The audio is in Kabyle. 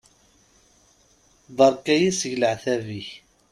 Beṛka-yi seg leɛtab-ik!